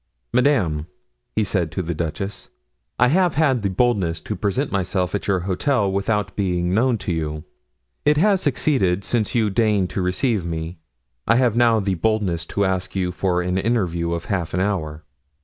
"Madame," he said to the duchess, "I have had the boldness to present myself at your hotel without being known to you; it has succeeded, since you deign to receive me. I have now the boldness to ask you for an interview of half an hour."